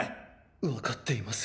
分かっています。